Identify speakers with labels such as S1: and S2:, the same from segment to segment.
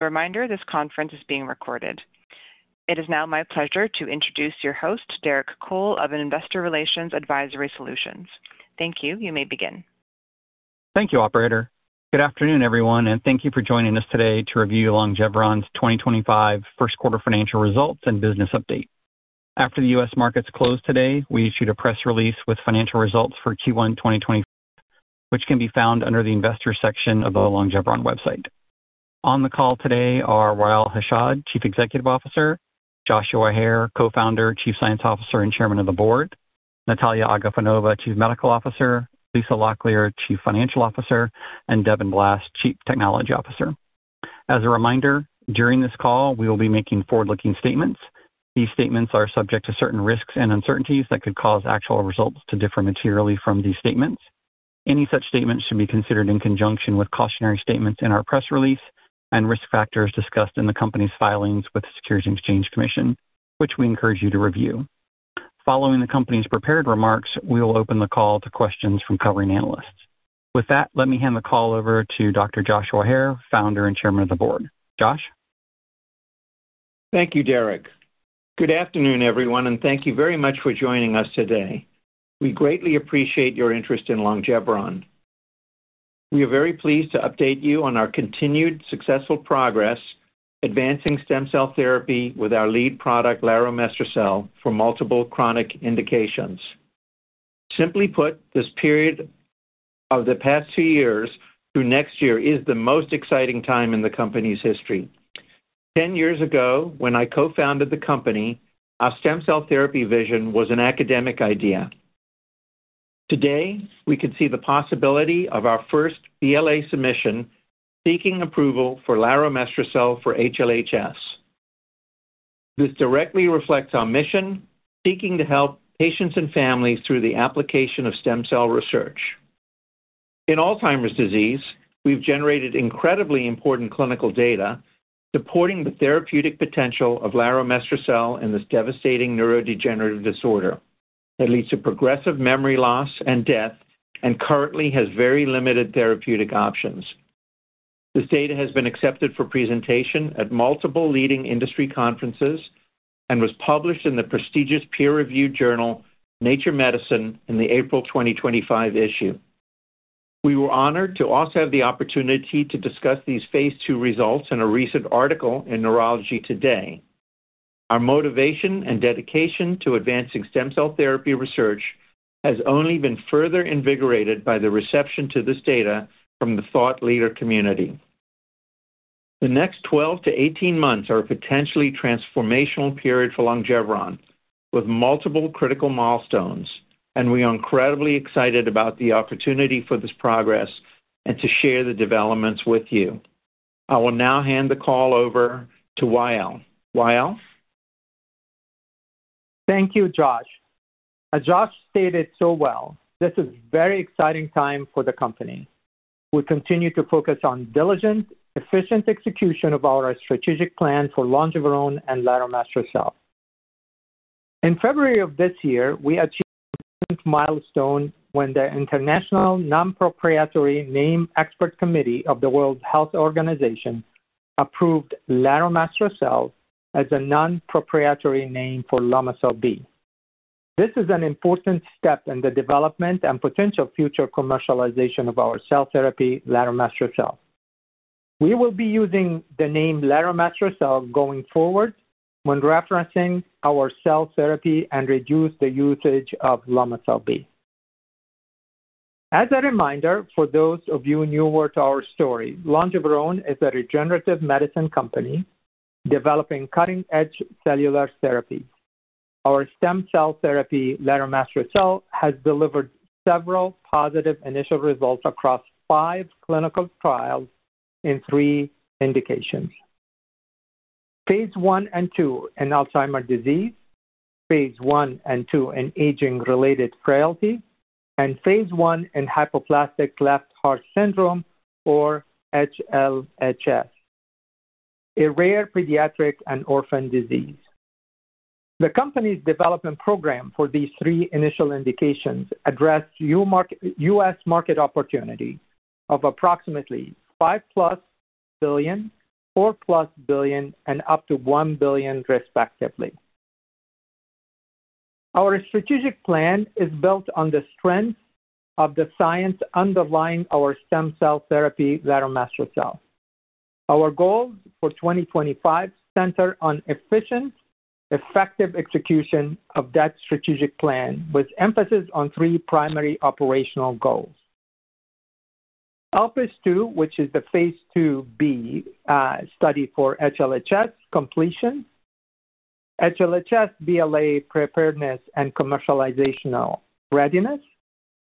S1: Reminder, this conference is being recorded. It is now my pleasure to introduce your host, Derek Cole of Investor Relations Advisory Solutions. Thank you. You may begin.
S2: Thank you, Operator. Good afternoon, everyone, and thank you for joining us today to review Longeveron's 2025 first-quarter financial results and business update. After the U.S. markets closed today, we issued a press release with financial results for Q1 2025, which can be found under the Investor section of the Longeveron website. On the call today are Wa'el Hashad, Chief Executive Officer; Joshua Hare, Co-founder, Chief Science Officer and Chairman of the Board; Nataliya Agafonova, Chief Medical Officer; Lisa Locklear, Chief Financial Officer; and Devin Blass, Chief Technology Officer. As a reminder, during this call, we will be making forward-looking statements. These statements are subject to certain risks and uncertainties that could cause actual results to differ materially from these statements. Any such statements should be considered in conjunction with cautionary statements in our press release and risk factors discussed in the company's filings with the Securities and Exchange Commission, which we encourage you to review. Following the company's prepared remarks, we will open the call to questions from covering analysts. With that, let me hand the call over to Dr. Joshua Hare, Founder and Chairman of the Board. Josh?
S3: Thank you, Derek. Good afternoon, everyone, and thank you very much for joining us today. We greatly appreciate your interest in Longeveron. We are very pleased to update you on our continued successful progress advancing stem cell therapy with our lead product, laromestrocel, for multiple chronic indications. Simply put, this period of the past two years through next year is the most exciting time in the company's history. Ten years ago, when I co-founded the company, our stem cell therapy vision was an academic idea. Today, we could see the possibility of our first BLA submission seeking approval for laromestrocel for HLHS. This directly reflects our mission, seeking to help patients and families through the application of stem cell research. In Alzheimer's disease, we've generated incredibly important clinical data supporting the therapeutic potential of laromestrocel in this devastating neurodegenerative disorder that leads to progressive memory loss and death and currently has very limited therapeutic options. This data has been accepted for presentation at multiple leading industry conferences and was published in the prestigious peer-reviewed journal Nature Medicine in the April 2025 issue. We were honored to also have the opportunity to discuss these phase two results in a recent article in Neurology Today. Our motivation and dedication to advancing stem cell therapy research has only been further invigorated by the reception to this data from the thought leader community. The next 12 to 18 months are a potentially transformational period for Longeveron, with multiple critical milestones, and we are incredibly excited about the opportunity for this progress and to share the developments with you. I will now hand the call over to Wa'el. Wa'el?
S4: Thank you, Josh. As Josh stated so well, this is a very exciting time for the company. We continue to focus on diligent, efficient execution of our strategic plan for Longeveron and laromestrocel. In February of this year, we achieved a milestone when the International Non-Proprietary Name Expert Committee of the World Health Organization approved laromestrocel as a non-proprietary name for Lomecel-B. This is an important step in the development and potential future commercialization of our cell therapy, laromestrocel. We will be using the name laromestrocel going forward when referencing our cell therapy and reduce the usage of Lomecel-B. As a reminder, for those of you newer to our story, Longeveron is a regenerative medicine company developing cutting-edge cellular therapies. Our stem cell therapy, laromestrocel, has delivered several positive initial results across five clinical trials in three indications: phase I and II in Alzheimer's disease, phase I and II in aging-related frailty, and phase I in hypoplastic left heart syndrome, or HLHS, a rare pediatric and orphan disease. The company's development program for these three initial indications addressed U.S. market opportunities of approximately $5 plus billion, $4 plus billion, and up to $1 billion, respectively. Our strategic plan is built on the strength of the science underlying our stem cell therapy, laromestrocel. Our goals for 2025 center on efficient, effective execution of that strategic plan, with emphasis on three primary operational goals. ELPIS II, which is the Phase II-B study for HLHS completion, HLHS BLA preparedness, and commercialization readiness,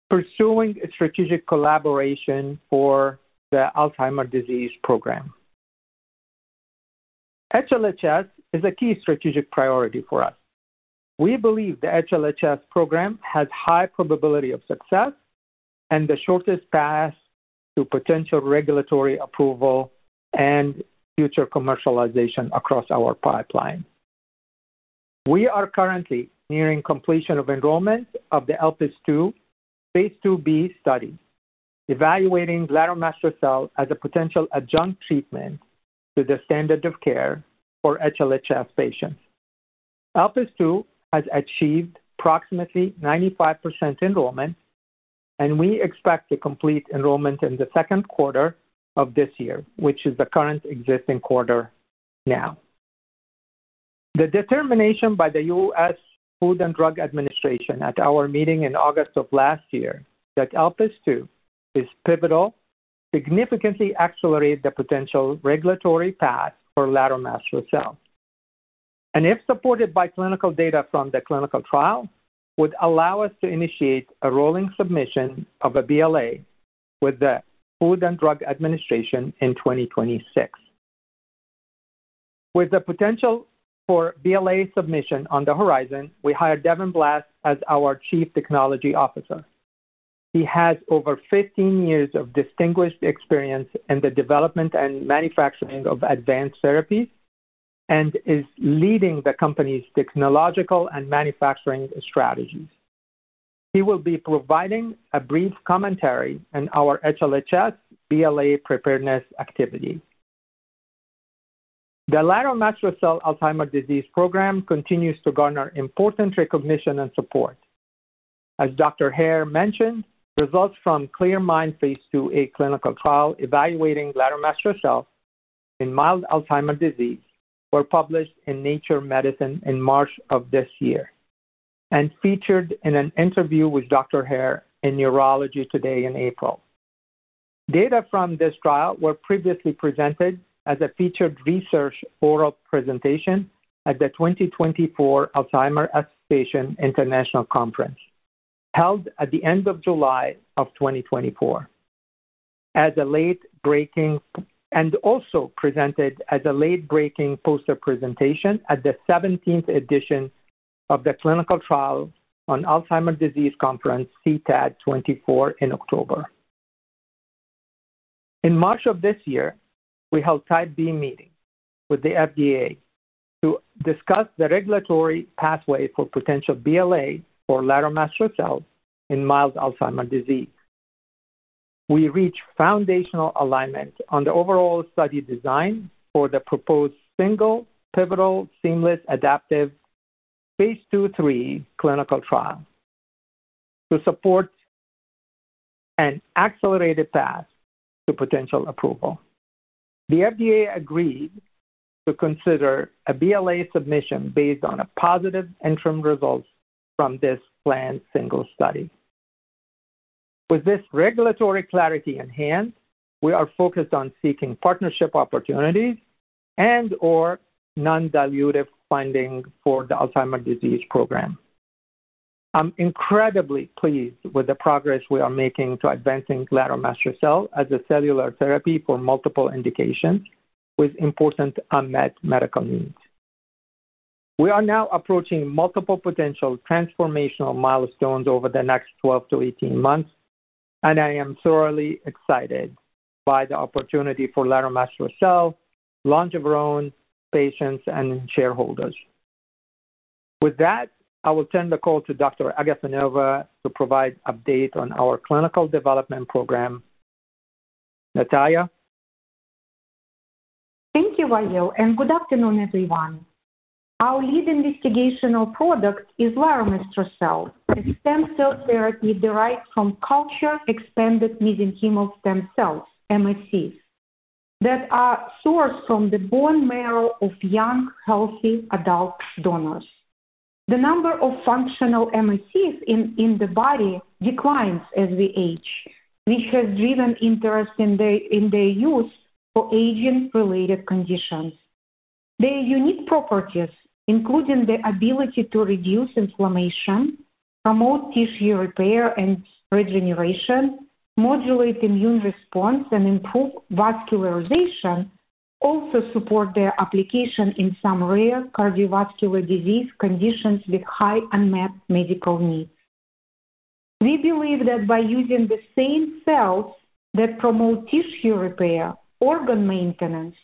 S4: pursuing strategic collaboration for the Alzheimer's disease program. HLHS is a key strategic priority for us. We believe the HLHS program has a high probability of success and the shortest path to potential regulatory approval and future commercialization across our pipeline. We are currently nearing completion of enrollment of the ELPIS II, Phase II-B study, evaluating laromestrocel as a potential adjunct treatment to the standard of care for HLHS patients. ELPIS II has achieved approximately 95% enrollment, and we expect to complete enrollment in the second quarter of this year, which is the current existing quarter now. The determination by the U.S. Food and Drug Administration at our meeting in August of last year that ELPIS II is pivotal, significantly accelerating the potential regulatory path for laromestrocel. If supported by clinical data from the clinical trial, it would allow us to initiate a rolling submission of a BLA with the U.S. Food and Drug Administration in 2026. With the potential for BLA submission on the horizon, we hired Devin Blass as our Chief Technology Officer. He has over 15 years of distinguished experience in the development and manufacturing of advanced therapies and is leading the company's technological and manufacturing strategies. He will be providing a brief commentary in our HLHS BLA preparedness activity. The laromestrocel Alzheimer's disease program continues to garner important recognition and support. As Dr. Hare mentioned, results from CLEAR MIND Phase II-A clinical trial evaluating laromestrocel in mild Alzheimer's disease were published in Nature Medicine in March of this year and featured in an interview with Dr. Hare in Neurology Today in April. Data from this trial were previously presented as a featured research oral presentation at the 2024 Alzheimer's Association International Conference, held at the end of July of 2024, and also presented as a late-breaking poster presentation at the 17th edition of the Clinical Trials on Alzheimer's Disease conference, CTAD24, in October. In March of this year, we held a Type B meeting with the FDA to discuss the regulatory pathway for potential BLA for laromestrocel in mild Alzheimer's disease. We reached foundational alignment on the overall study design for the proposed single, pivotal, seamless, adaptive phase II/III clinical trial to support an accelerated path to potential approval. The FDA agreed to consider a BLA submission based on positive interim results from this planned single study. With this regulatory clarity in hand, we are focused on seeking partnership opportunities and/or non-dilutive funding for the Alzheimer's disease program. I'm incredibly pleased with the progress we are making to advancing laromestrocel as a cellular therapy for multiple indications with important unmet medical needs. We are now approaching multiple potential transformational milestones over the next 12 to 18 months, and I am thoroughly excited by the opportunity for laromestrocel, Longeveron patients, and shareholders. With that, I will turn the call to Dr. Agafonova to provide an update on our clinical development program. Nataliya?
S5: Thank you, Wa'el, and good afternoon, everyone. Our lead investigational product is laromestrocel, a stem cell therapy derived from cultured, expanded mesenchymal stem cells, MSCs, that are sourced from the bone marrow of young, healthy adult donors. The number of functional MSCs in the body declines as we age, which has driven interest in their use for aging-related conditions. Their unique properties, including the ability to reduce inflammation, promote tissue repair and regeneration, modulate immune response, and improve vascularization, also support their application in some rare cardiovascular disease conditions with high unmet medical needs. We believe that by using the same cells that promote tissue repair, organ maintenance,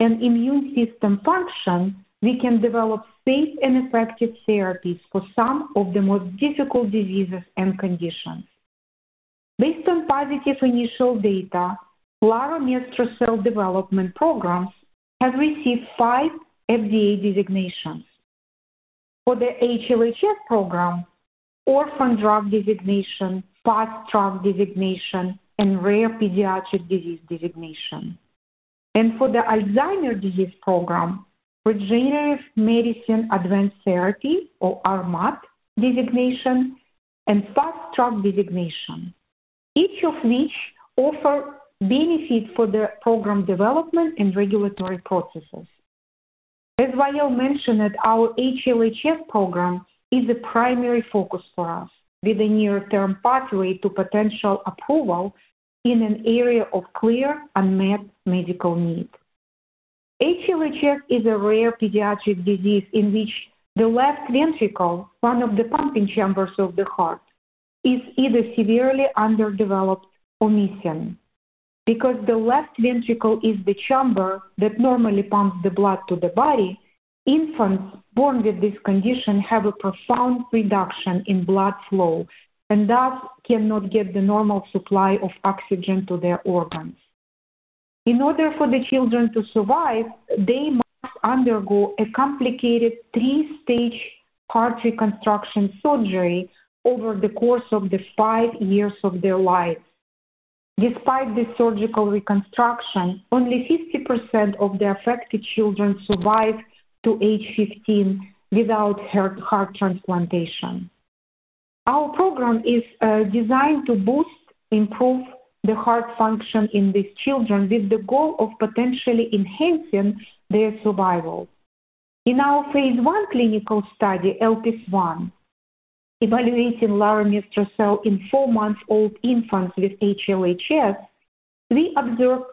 S5: and immune system function, we can develop safe and effective therapies for some of the most difficult diseases and conditions. Based on positive initial data, laromestrocel development programs have received five FDA designations. For the HLHS program, orphan drug designation, past drug designation, and rare pediatric disease designation. For the Alzheimer's disease program, Regenerative Medicine Advanced Therapy, or RMAT designation, and past drug designation, each of which offers benefits for the program development and regulatory processes. As Wa'el mentioned, our HLHS program is a primary focus for us, with a near-term pathway to potential approval in an area of clear unmet medical need. HLHS is a rare pediatric disease in which the left ventricle, one of the pumping chambers of the heart, is either severely underdeveloped or missing. Because the left ventricle is the chamber that normally pumps the blood to the body, infants born with this condition have a profound reduction in blood flow and thus cannot get the normal supply of oxygen to their organs. In order for the children to survive, they must undergo a complicated three-stage heart reconstruction surgery over the course of the five years of their lives. Despite the surgical reconstruction, only 50% of the affected children survive to age 15 without heart transplantation. Our program is designed to boost and improve the heart function in these children with the goal of potentially enhancing their survival. In our phase I clinical study, ELPIS I, evaluating laromestrocel in four-month-old infants with HLHS, we observed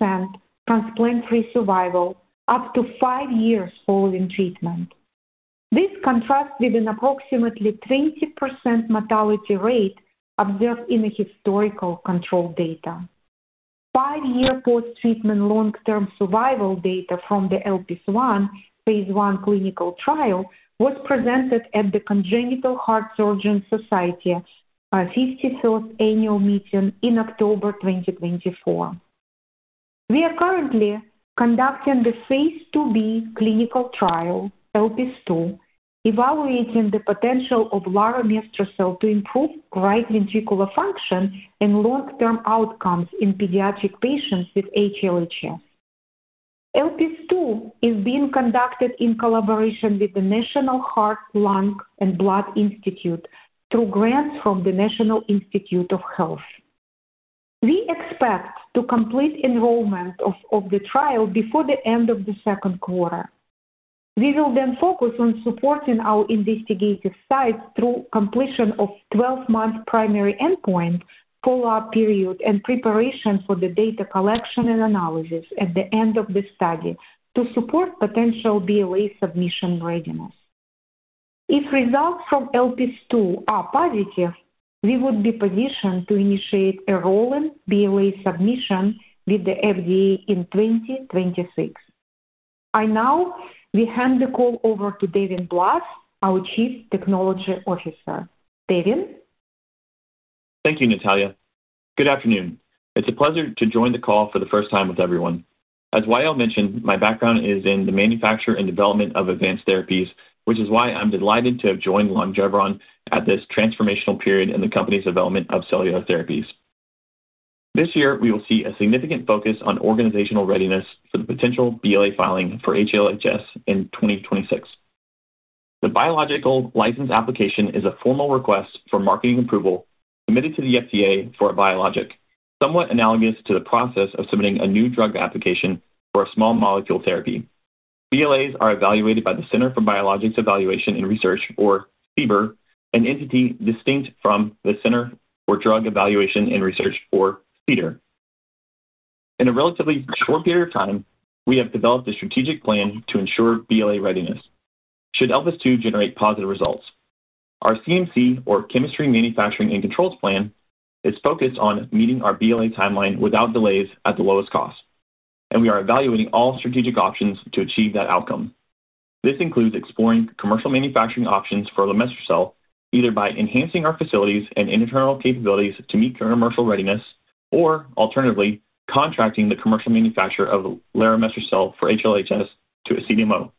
S5: 100% transplant-free survival up to five years following treatment. This contrasts with an approximately 20% mortality rate observed in the historical control data. Five-year post-treatment long-term survival data from the ELPIS I Phase I clinical trial was presented at the Congenital Heart Surgeons' Society 54th Annual Meeting in October 2024. We are currently conducting the phase II-B clinical trial, ELPIS II, evaluating the potential of laromestrocel to improve right ventricular function and long-term outcomes in pediatric patients with HLHS. ELPIS II is being conducted in collaboration with the National Heart, Lung, and Blood Institute through grants from the National Institutes of Health. We expect to complete enrollment of the trial before the end of the second quarter. We will then focus on supporting our investigative sites through completion of the 12-month primary endpoint follow-up period, and preparation for the data collection and analysis at the end of the study to support potential BLA submission readiness. If results from ELPIS II are positive, we would be positioned to initiate a rolling BLA submission with the FDA in 2026. I now will hand the call over to Devin Blass, our Chief Technology Officer. Devin?
S6: Thank you, Nataliya. Good afternoon. It's a pleasure to join the call for the first time with everyone. As Wa'el mentioned, my background is in the manufacture and development of advanced therapies, which is why I'm delighted to have joined Longeveron at this transformational period in the company's development of cellular therapies. This year, we will see a significant focus on organizational readiness for the potential BLA filing for HLHS in 2026. The biologic license application is a formal request for marketing approval submitted to the FDA for a biologic, somewhat analogous to the process of submitting a new drug application for a small molecule therapy. BLAs are evaluated by the Center for Biologics Evaluation and Research, or CBER, an entity distinct from the Center for Drug Evaluation and Research, or CDER. In a relatively short period of time, we have developed a strategic plan to ensure BLA readiness. Should ELPIS II generate positive results, our CMC, or Chemistry Manufacturing and Controls plan, is focused on meeting our BLA timeline without delays at the lowest cost, and we are evaluating all strategic options to achieve that outcome. This includes exploring commercial manufacturing options for laromestrocel, either by enhancing our facilities and internal capabilities to meet commercial readiness, or alternatively, contracting the commercial manufacturer of laromestrocel for HLHS to a CDMO.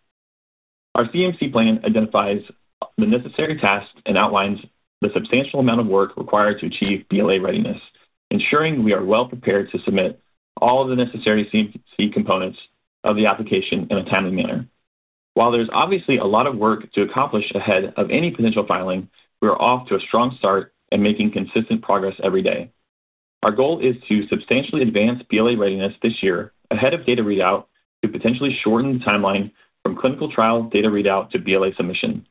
S6: Our CMC plan identifies the necessary tasks and outlines the substantial amount of work required to achieve BLA readiness, ensuring we are well prepared to submit all of the necessary CMC components of the application in a timely manner. While there's obviously a lot of work to accomplish ahead of any potential filing, we are off to a strong start and making consistent progress every day. Our goal is to substantially advance BLA readiness this year ahead of data readout to potentially shorten the timeline from clinical trial data readout to BLA submission.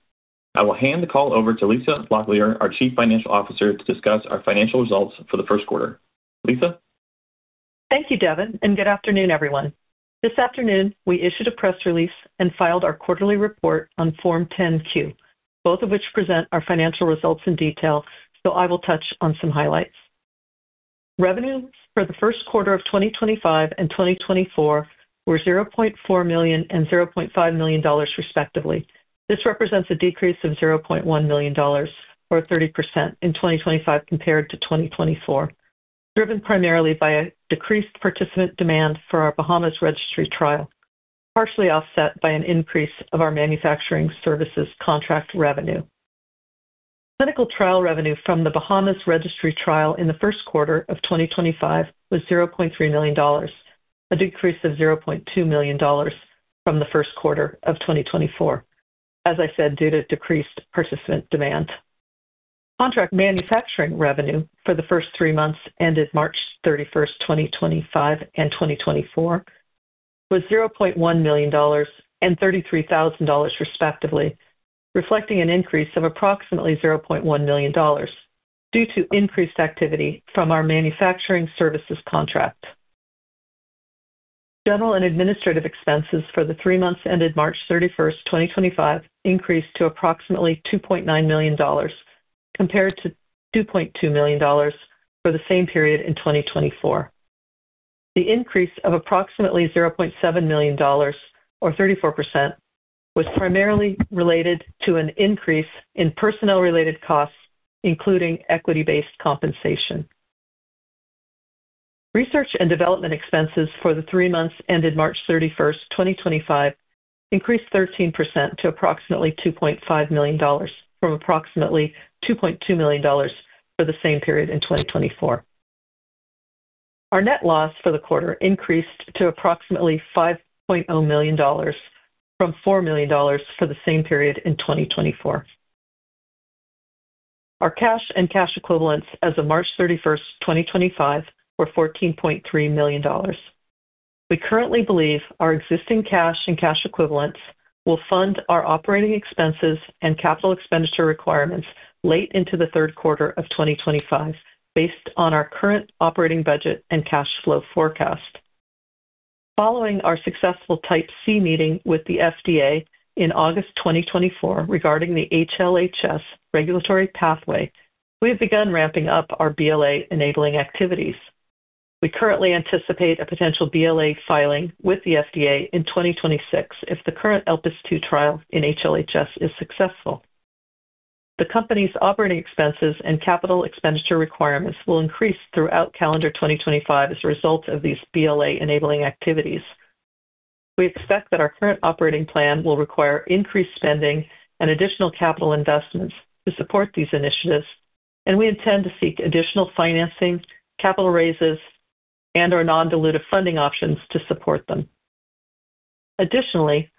S6: I will hand the call over to Lisa Locklear, our Chief Financial Officer, to discuss our financial results for the first quarter. Lisa.
S7: Thank you, Devin, and good afternoon, everyone. This afternoon, we issued a press release and filed our quarterly report on Form 10-Q, both of which present our financial results in detail, so I will touch on some highlights. Revenues for the first quarter of 2025 and 2024 were $0.4 million and $0.5 million respectively. This represents a decrease of $0.1 million, or 30%, in 2025 compared to 2024, driven primarily by a decreased participant demand for our Bahamas Registry trial, partially offset by an increase of our manufacturing services contract revenue. Clinical trial revenue from the Bahamas Registry trial in the first quarter of 2025 was $0.3 million, a decrease of $0.2 million from the first quarter of 2024, as I said, due to decreased participant demand. Contract manufacturing revenue for the first three months ended March 31st, 2025 and 2024, was $0.1 million and $33,000 respectively, reflecting an increase of approximately $0.1 million due to increased activity from our manufacturing services contract. General and administrative expenses for the three months ended March 31st, 2025, increased to approximately $2.9 million compared to $2.2 million for the same period in 2024. The increase of approximately $0.7 million, or 34%, was primarily related to an increase in personnel-related costs, including equity-based compensation. Research and development expenses for the three months ended March 31st, 2025, increased 13% to approximately $2.5 million from approximately $2.2 million for the same period in 2024. Our net loss for the quarter increased to approximately $5.0 million from $4 million for the same period in 2024. Our cash and cash equivalents as of March 31st, 2025, were $14.3 million. We currently believe our existing cash and cash equivalents will fund our operating expenses and capital expenditure requirements late into the third quarter of 2025, based on our current operating budget and cash flow forecast. Following our successful Type C meeting with the FDA in August 2024 regarding the HLHS regulatory pathway, we have begun ramping up our BLA enabling activities. We currently anticipate a potential BLA filing with the FDA in 2026 if the current ELPIS II trial in HLHS is successful. The company's operating expenses and capital expenditure requirements will increase throughout calendar 2025 as a result of these BLA enabling activities. We expect that our current operating plan will require increased spending and additional capital investments to support these initiatives, and we intend to seek additional financing, capital raises, and/or non-dilutive funding options to support them. Additionally,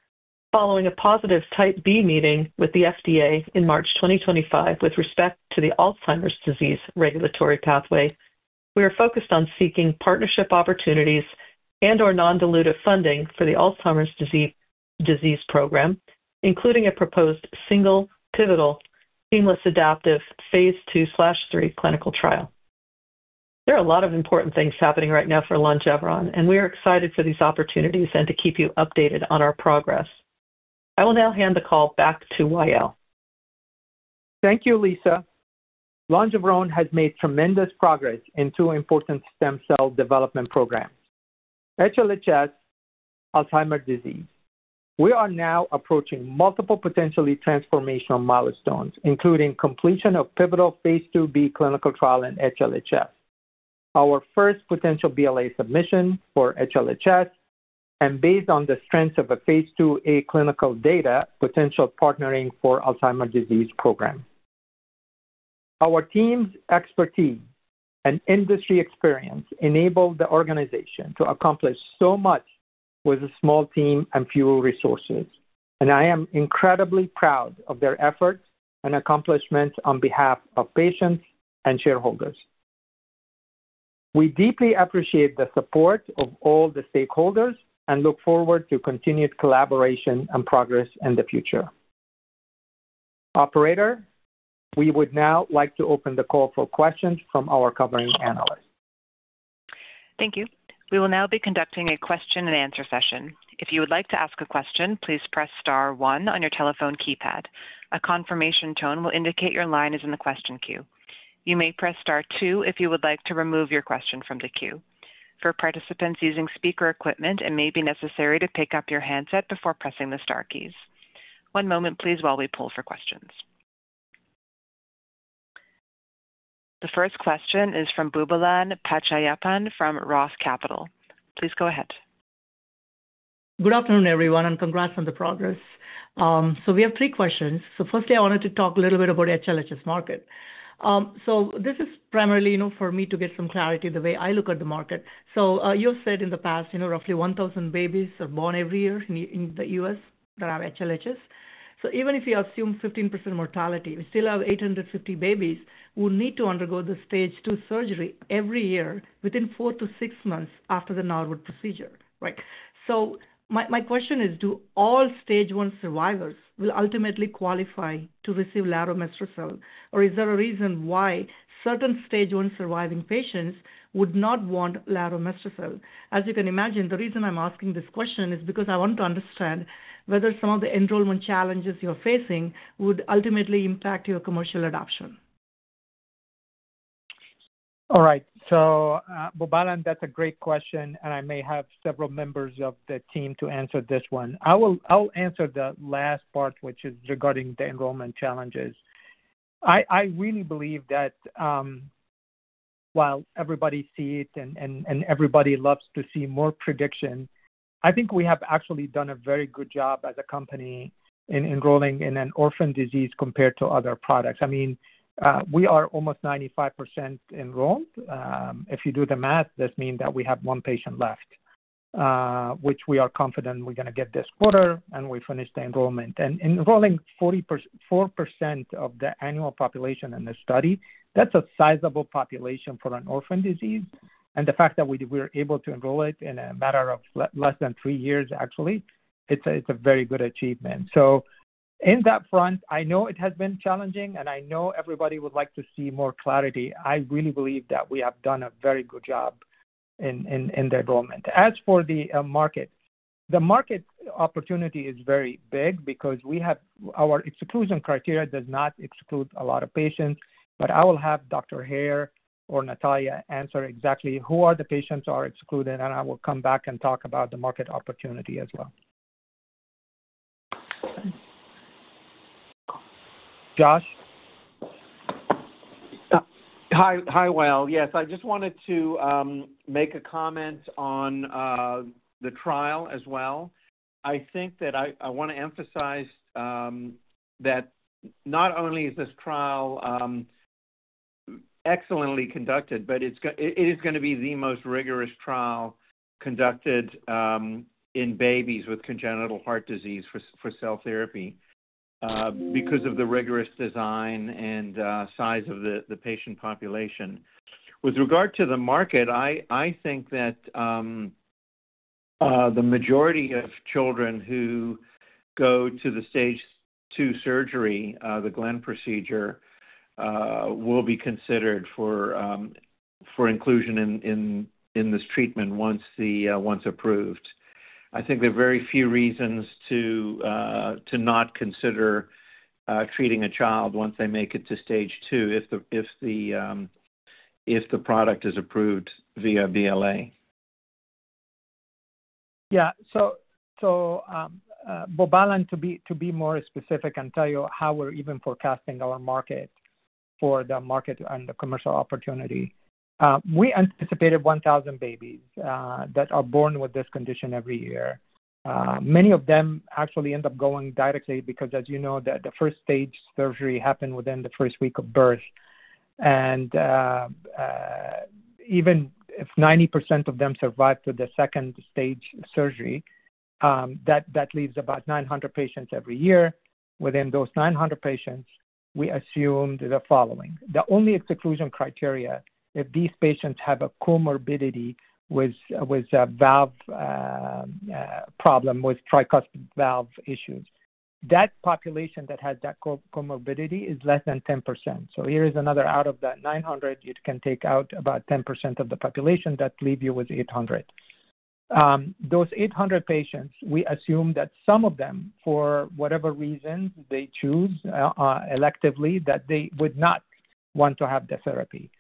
S7: following a positive Type B meeting with the FDA in March 2025 with respect to the Alzheimer's disease regulatory pathway, we are focused on seeking partnership opportunities and/or non-dilutive funding for the Alzheimer's disease program, including a proposed single, pivotal, seamless adaptive phase II/III clinical trial. There are a lot of important things happening right now for Longeveron, and we are excited for these opportunities and to keep you updated on our progress. I will now hand the call back to Wa'el.
S4: Thank you, Lisa. Longeveron has made tremendous progress in two important stem cell development programs, HLHS and Alzheimer's disease. We are now approaching multiple potentially transformational milestones, including completion of pivotal phase II-B clinical trial in HLHS, our first potential BLA submission for HLHS, and based on the strengths of the phase II-A clinical data, potential partnering for the Alzheimer's disease program. Our team's expertise and industry experience enable the organization to accomplish so much with a small team and few resources, and I am incredibly proud of their efforts and accomplishments on behalf of patients and shareholders. We deeply appreciate the support of all the stakeholders and look forward to continued collaboration and progress in the future. Operator, we would now like to open the call for questions from our covering analysts.
S1: Thank you. We will now be conducting a question-and-answer session. If you would like to ask a question, please press star one on your telephone keypad. A confirmation tone will indicate your line is in the question queue. You may press star two if you would like to remove your question from the queue. For participants using speaker equipment, it may be necessary to pick up your handset before pressing the star keys. One moment, please, while we pull for questions. The first question is from Boobalan Pachaiyappan from ROTH Capital. Please go ahead.
S8: Good afternoon, everyone, and congrats on the progress. We have three questions. Firstly, I wanted to talk a little bit about the HLHS market. This is primarily for me to get some clarity the way I look at the market. You have said in the past, roughly 1,000 babies are born every year in the U.S. that have HLHS. Even if you assume 15% mortality, we still have 850 babies who need to undergo the stage two surgery every year within four to six months after the Norwood procedure. Right? My question is, do all stage one survivors ultimately qualify to receive laromestrocel, or is there a reason why certain stage one surviving patients would not want laromestrocel? As you can imagine, the reason I'm asking this question is because I want to understand whether some of the enrollment challenges you're facing would ultimately impact your commercial adoption.
S4: All right. So Boobalan, that's a great question, and I may have several members of the team to answer this one. I'll answer the last part, which is regarding the enrollment challenges. I really believe that while everybody sees it and everybody loves to see more prediction, I think we have actually done a very good job as a company in enrolling in an orphan disease compared to other products. I mean, we are almost 95% enrolled. If you do the math, this means that we have one patient left, which we are confident we're going to get this quarter, and we finish the enrollment. Enrolling 4% of the annual population in the study, that's a sizable population for an orphan disease. The fact that we were able to enroll it in a matter of less than three years, actually, it's a very good achievement. In that front, I know it has been challenging, and I know everybody would like to see more clarity. I really believe that we have done a very good job in the enrollment. As for the market, the market opportunity is very big because our exclusion criteria does not exclude a lot of patients, but I will have Dr. Hare or Nataliya answer exactly who are the patients who are excluded, and I will come back and talk about the market opportunity as well. Josh?
S3: Hi. Yes, I just wanted to make a comment on the trial as well. I think that I want to emphasize that not only is this trial excellently conducted, but it is going to be the most rigorous trial conducted in babies with congenital heart disease for cell therapy because of the rigorous design and size of the patient population. With regard to the market, I think that the majority of children who go to the stage two surgery, the Glenn procedure, will be considered for inclusion in this treatment once approved. I think there are very few reasons to not consider treating a child once they make it to stage two if the product is approved via BLA.
S4: Yeah. Boobalan, to be more specific and tell you how we're even forecasting our market for the market and the commercial opportunity, we anticipated 1,000 babies that are born with this condition every year. Many of them actually end up going directly because, as you know, the first stage surgery happened within the first week of birth. Even if 90% of them survive to the second stage surgery, that leaves about 900 patients every year. Within those 900 patients, we assumed the following. The only exclusion criteria, if these patients have a comorbidity with a valve problem with tricuspid valve issues, that population that has that comorbidity is less than 10%. Here is another out of that 900, you can take out about 10% of the population. That leaves you with 800. Those 800 patients, we assume that some of them, for whatever reasons they choose electively, that they would not want to have the therapy.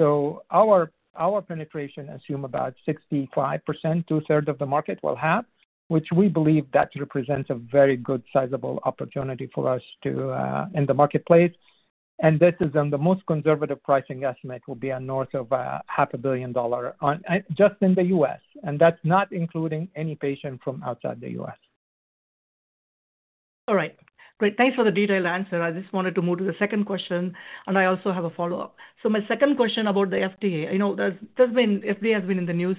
S4: Our penetration assumes about 65%, two-thirds of the market will have, which we believe that represents a very good sizable opportunity for us in the marketplace. This is on the most conservative pricing estimate, will be on north of $500,000,000 just in the U.S., and that's not including any patient from outside the U.S.
S8: All right. Great. Thanks for the detailed answer. I just wanted to move to the second question, and I also have a follow-up. My second question about the FDA, there's been FDA has been in the news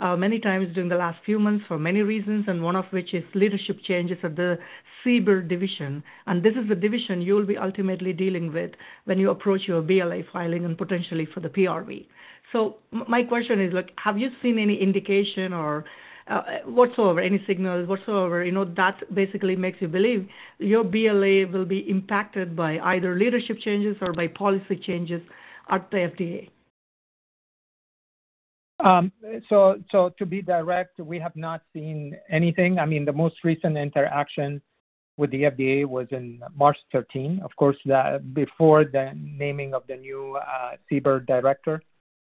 S8: many times during the last few months for many reasons, and one of which is leadership changes at the CBER division. This is the division you'll be ultimately dealing with when you approach your BLA filing and potentially for the PRV. My question is, have you seen any indication or whatsoever, any signals, whatsoever, that basically makes you believe your BLA will be impacted by either leadership changes or by policy changes at the FDA?
S4: To be direct, we have not seen anything. I mean, the most recent interaction with the FDA was in March 13, of course, before the naming of the new CBER director.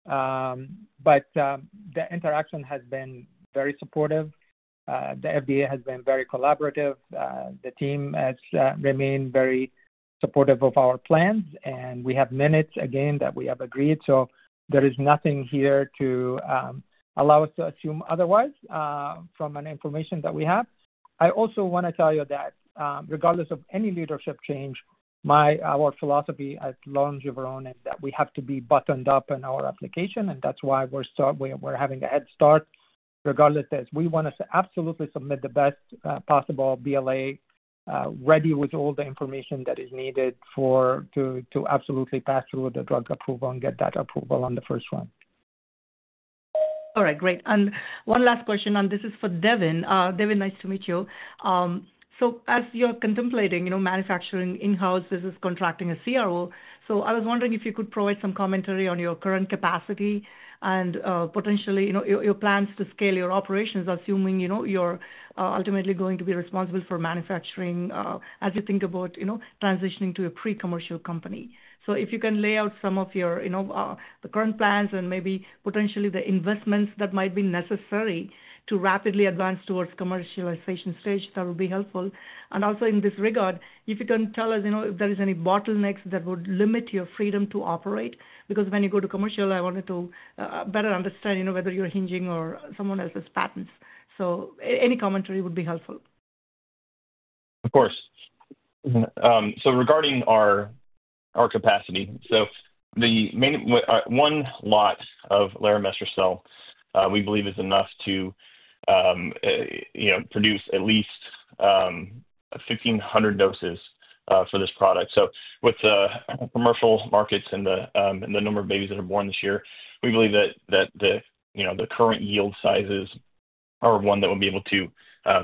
S4: The interaction has been very supportive. The FDA has been very collaborative. The team has remained very supportive of our plans, and we have minutes again that we have agreed. There is nothing here to allow us to assume otherwise from the information that we have. I also want to tell you that regardless of any leadership change, our philosophy at Longeveron is that we have to be buttoned up in our application, and that's why we're having a head start regardless. We want to absolutely submit the best possible BLA ready with all the information that is needed to absolutely pass through the drug approval and get that approval on the first run.
S8: All right. Great. One last question, and this is for Devin. Devin, nice to meet you. As you're contemplating manufacturing in-house versus contracting a CRO, I was wondering if you could provide some commentary on your current capacity and potentially your plans to scale your operations, assuming you're ultimately going to be responsible for manufacturing as you think about transitioning to a pre-commercial company. If you can lay out some of the current plans and maybe potentially the investments that might be necessary to rapidly advance towards commercialization stage, that would be helpful. Also in this regard, if you can tell us if there are any bottlenecks that would limit your freedom to operate, because when you go to commercial, I wanted to better understand whether you're hinging on someone else's patents. Any commentary would be helpful.
S6: Of course. Regarding our capacity, one lot of laromestrocel, we believe, is enough to produce at least 1,500 doses for this product. With the commercial markets and the number of babies that are born this year, we believe that the current yield sizes are ones that will be able to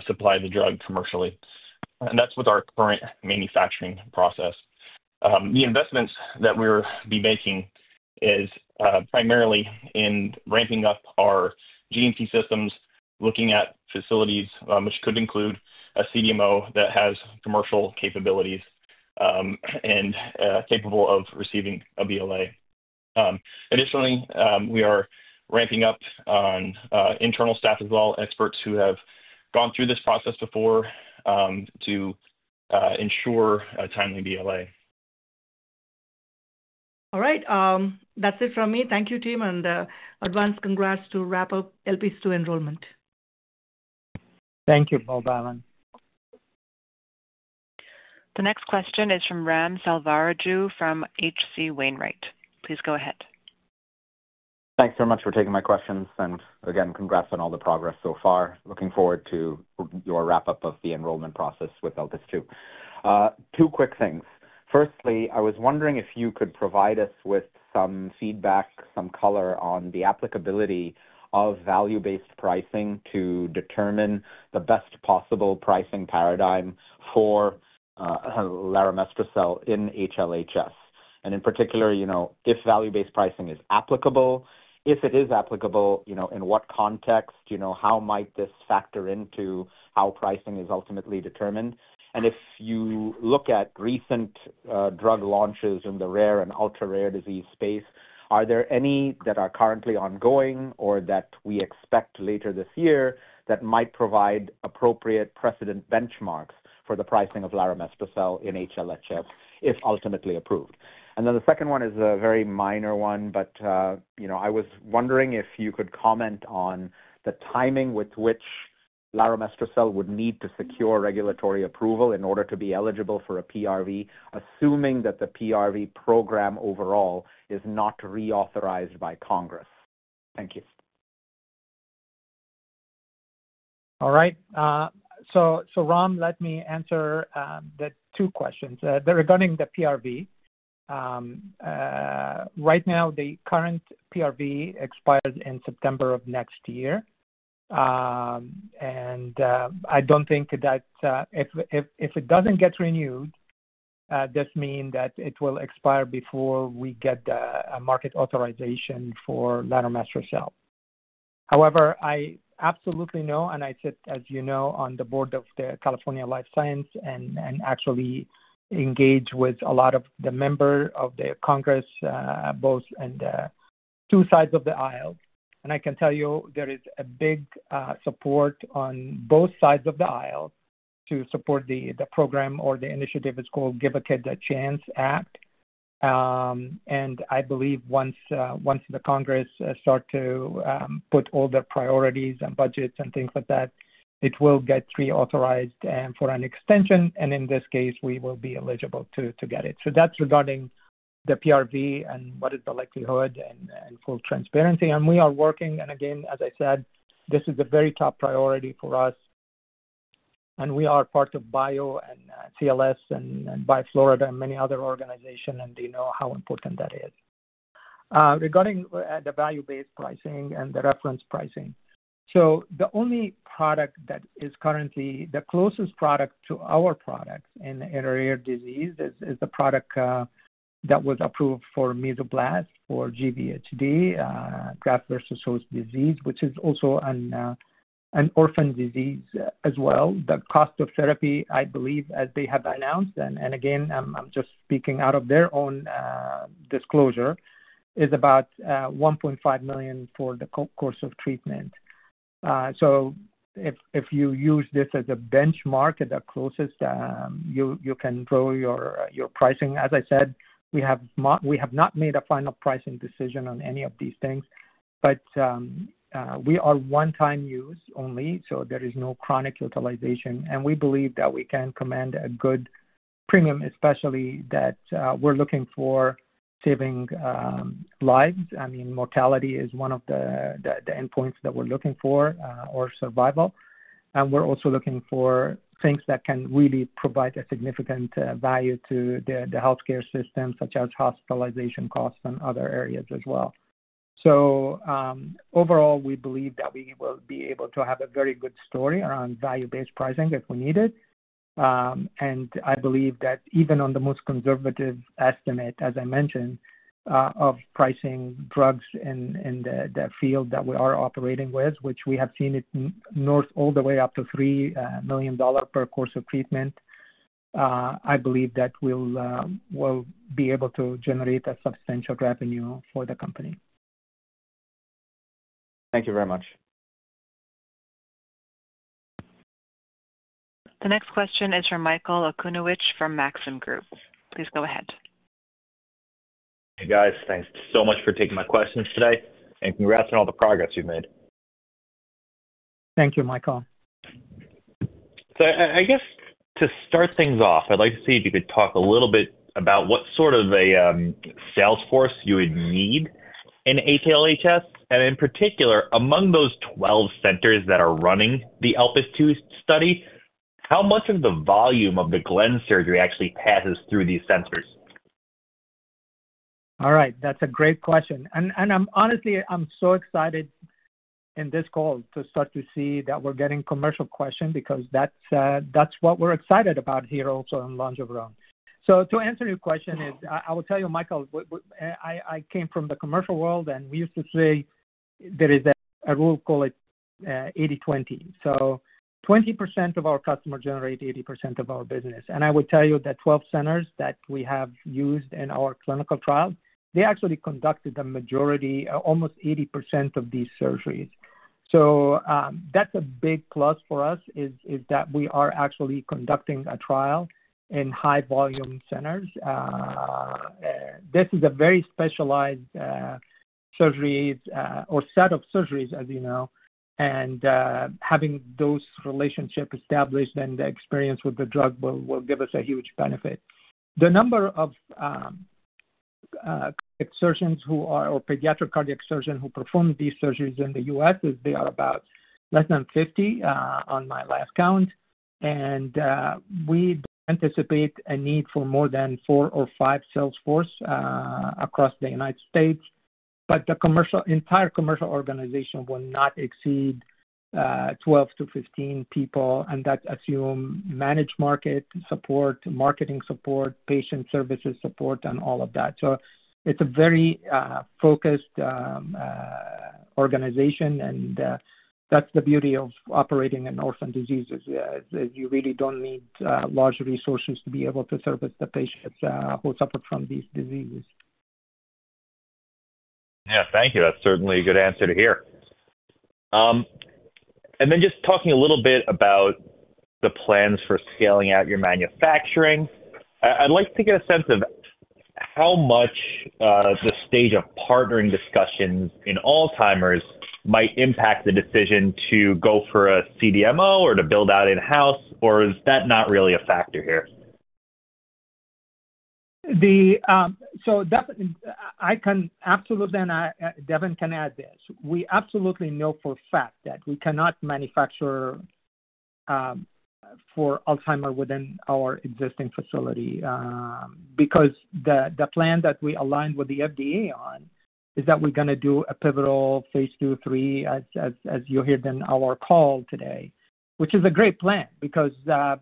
S6: supply the drug commercially. That is with our current manufacturing process. The investments that we will be making are primarily in ramping up our GMP systems, looking at facilities, which could include a CDMO that has commercial capabilities and is capable of receiving a BLA. Additionally, we are ramping up on internal staff as well, experts who have gone through this process before to ensure a timely BLA.
S9: All right. That's it from me. Thank you, team, and advanced congrats to wrap up ELPIS II enrollment.
S4: Thank you, Boobalan.
S1: The next question is from Ram Selvaraju from HC Wainwright. Please go ahead.
S10: Thanks so much for taking my questions. Again, congrats on all the progress so far. Looking forward to your wrap-up of the enrollment process with ELPIS II. Two quick things. Firstly, I was wondering if you could provide us with some feedback, some color on the applicability of value-based pricing to determine the best possible pricing paradigm for laromestrocel in HLHS. In particular, if value-based pricing is applicable, if it is applicable, in what context, how might this factor into how pricing is ultimately determined? If you look at recent drug launches in the rare and ultra-rare disease space, are there any that are currently ongoing or that we expect later this year that might provide appropriate precedent benchmarks for the pricing of laromestrocel in HLHS if ultimately approved? The second one is a very minor one, but I was wondering if you could comment on the timing with which laromestrocel would need to secure regulatory approval in order to be eligible for a PRV, assuming that the PRV program overall is not reauthorized by Congress. Thank you. All right. Ram, let me answer the two questions. Regarding the PRV, right now, the current PRV expires in September of next year. I don't think that if it doesn't get renewed, this means that it will expire before we get a market authorization for laromestrocel. However, I absolutely know, and I sit, as you know, on the board of California Life Science and actually engage with a lot of the members of Congress, both on two sides of the aisle. I can tell you there is big support on both sides of the aisle to support the program or the initiative. It's called Give a Kid a Chance Act. I believe once Congress starts to put all their priorities and budgets and things like that, it will get pre-authorized for an extension, and in this case, we will be eligible to get it. That is regarding the PRV and what is the likelihood and full transparency. We are working, and again, as I said, this is a very top priority for us. We are part of BIO, CLS, and BioFlorida and many other organizations, and they know how important that is. Regarding the value-based pricing and the reference pricing, the only product that is currently the closest product to our products in rare disease is the product that was approved for Mesoblast for GvHD, graft-versus-host disease, which is also an orphan disease as well. The cost of therapy, I believe, as they have announced, and again, I'm just speaking out of their own disclosure, is about $1.5 million for the course of treatment. If you use this as a benchmark at the closest, you can throw your pricing. As I said, we have not made a final pricing decision on any of these things, but we are one-time use only, so there is no chronic utilization. We believe that we can command a good premium, especially that we're looking for saving lives. I mean, mortality is one of the endpoints that we're looking for or survival. We are also looking for things that can really provide a significant value to the healthcare system, such as hospitalization costs and other areas as well. Overall, we believe that we will be able to have a very good story around value-based pricing if we need it. I believe that even on the most conservative estimate, as I mentioned, of pricing drugs in the field that we are operating with, which we have seen north all the way up to $3 million per course of treatment, I believe that we'll be able to generate substantial revenue for the company. Thank you very much.
S1: The next question is from Michael Okunewitch from Maxim Group. Please go ahead.
S11: Hey, guys. Thanks so much for taking my questions today. Congrats on all the progress you've made.
S4: Thank you, Michael.
S11: I guess to start things off, I'd like to see if you could talk a little bit about what sort of a salesforce you would need in HLHS. In particular, among those 12 centers that are running the ELPIS II study, how much of the volume of the Glenn surgery actually passes through these centers?
S4: All right. That's a great question. Honestly, I'm so excited in this call to start to see that we're getting commercial questions because that's what we're excited about here also in Longeveron. To answer your question, I will tell you, Michael, I came from the commercial world, and we used to say there is a rule called 80/20. 20% of our customers generate 80% of our business. I would tell you that 12 centers that we have used in our clinical trials actually conducted the majority, almost 80% of these surgeries. That's a big plus for us is that we are actually conducting a trial in high-volume centers. This is a very specialized surgery or set of surgeries, as you know. Having those relationships established and the experience with the drug will give us a huge benefit. The number of pediatric cardiac surgeons who perform these surgeries in the U.S. is about less than 50 on my last count. We anticipate a need for more than four or five salesforces across the United States. The entire commercial organization will not exceed 12-15 people, and that assumes managed market support, marketing support, patient services support, and all of that. It is a very focused organization, and that is the beauty of operating in orphan diseases, you really do not need large resources to be able to service the patients who suffer from these diseases.
S11: Yeah. Thank you. That's certainly a good answer to hear. Then just talking a little bit about the plans for scaling out your manufacturing, I'd like to get a sense of how much the stage of partnering discussions in Alzheimer's might impact the decision to go for a CDMO or to build out in-house, or is that not really a factor here?
S4: I can absolutely, and Devin can add this. We absolutely know for a fact that we cannot manufacture for Alzheimer's within our existing facility because the plan that we aligned with the FDA on is that we're going to do a pivotal phase II/III, as you hear in our call today, which is a great plan because that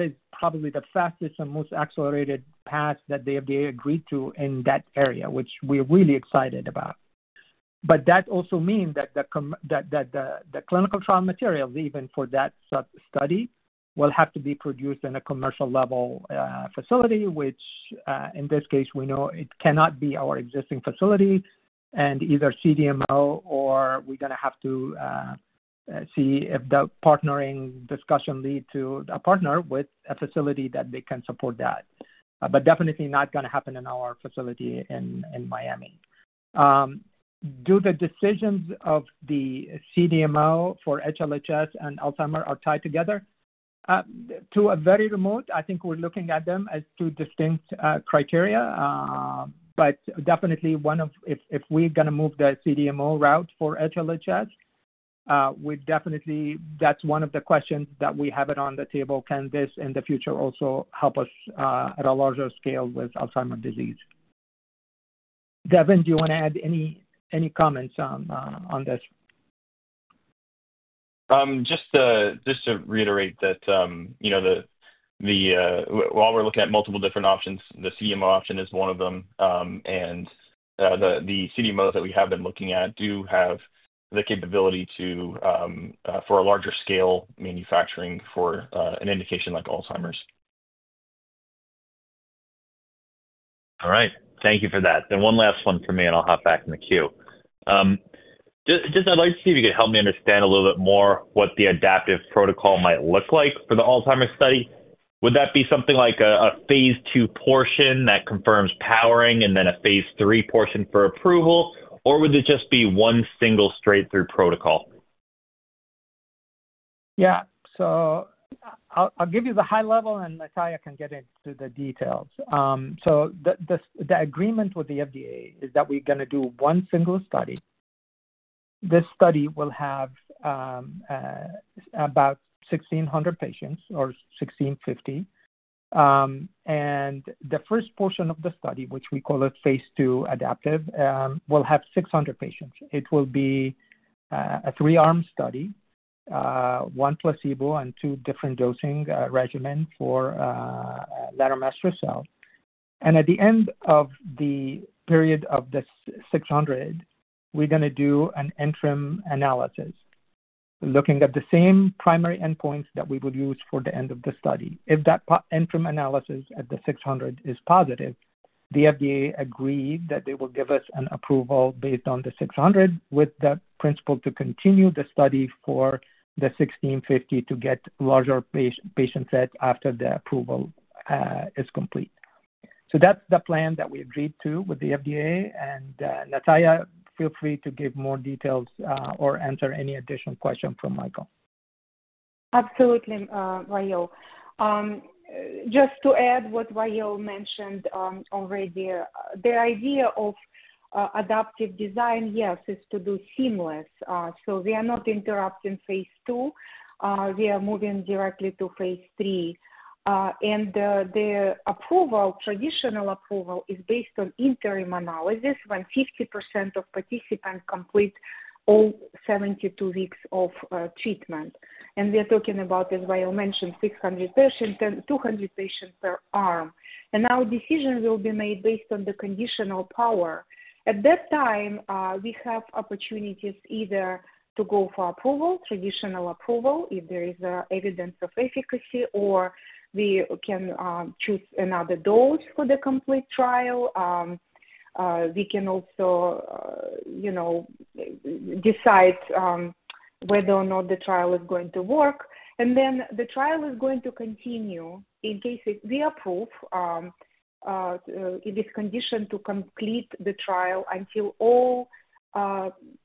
S4: is probably the fastest and most accelerated path that the FDA agreed to in that area, which we're really excited about. That also means that the clinical trial materials, even for that study, will have to be produced in a commercial-level facility, which in this case, we know it cannot be our existing facility. Either CDMO or we're going to have to see if the partnering discussion leads to a partner with a facility that can support that. Definitely not going to happen in our facility in Miami. Do the decisions of the CDMO for HLHS and Alzheimer’s are tied together? To a very remote, I think we're looking at them as two distinct criteria. Definitely, if we're going to move the CDMO route for HLHS, that's one of the questions that we have on the table. Can this, in the future, also help us at a larger scale with Alzheimer's disease? Devin, do you want to add any comments on this?
S6: Just to reiterate that while we're looking at multiple different options, the CDMO option is one of them. The CDMOs that we have been looking at do have the capability for a larger-scale manufacturing for an indication like Alzheimer's.
S11: All right. Thank you for that. And one last one for me, and I'll hop back in the queue. Just I'd like to see if you could help me understand a little bit more what the adaptive protocol might look like for the Alzheimer's study. Would that be something like a phase II portion that confirms powering and then a phase III portion for approval, or would it just be one single straight-through protocol?
S4: Yeah. I'll give you the high level, and Nataliya can get into the details. The agreement with the FDA is that we're going to do one single study. This study will have about 1,600 patients or 1,650. The first portion of the study, which we call phase II adaptive, will have 600 patients. It will be a three-arm study, one placebo and two different dosing regimens for laromestrocel. At the end of the period of the 600, we're going to do an interim analysis looking at the same primary endpoints that we would use for the end of the study. If that interim analysis at the 600 is positive, the FDA agreed that they will give us an approval based on the 600 with the principle to continue the study for the 1,650 to get larger patient sets after the approval is complete. That's the plan that we agreed to with the FDA. Nataliya, feel free to give more details or answer any additional questions from Michael.
S5: Absolutely, Wa'el. Just to add what Wa'el mentioned already, the idea of adaptive design, yes, is to do seamless. We are not interrupting phase two. We are moving directly to phase three. The traditional approval is based on interim analysis when 50% of participants complete all 72 weeks of treatment. We are talking about, as Wa'el mentioned, 600 patients, 200 patients per arm. Now decisions will be made based on the conditional power. At that time, we have opportunities either to go for traditional approval if there is evidence of efficacy, or we can choose another dose for the complete trial. We can also decide whether or not the trial is going to work. The trial is going to continue in case we approve in this condition to complete the trial until all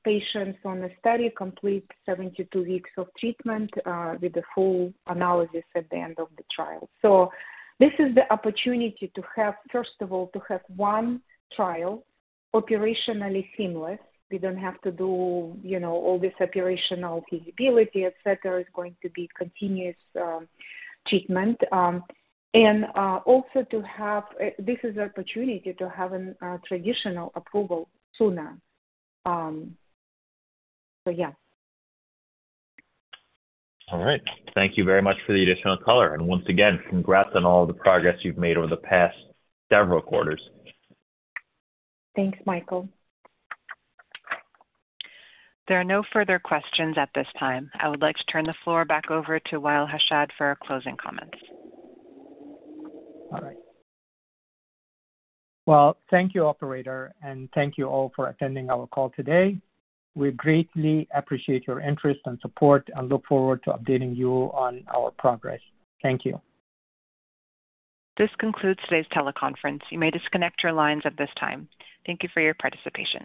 S5: patients on the study complete 72 weeks of treatment with a full analysis at the end of the trial. This is the opportunity to have, first of all, to have one trial operationally seamless. We do not have to do all this operational feasibility, etc. It is going to be continuous treatment. Also, this is an opportunity to have a traditional approval sooner. Yeah.
S11: All right. Thank you very much for the additional color. Once again, congrats on all the progress you've made over the past several quarters.
S5: Thanks, Michael.
S1: There are no further questions at this time. I would like to turn the floor back over to Wa'el Hashad for closing comments.
S4: All right. Thank you, operator, and thank you all for attending our call today. We greatly appreciate your interest and support and look forward to updating you on our progress. Thank you.
S1: This concludes today's teleconference. You may disconnect your lines at this time. Thank you for your participation.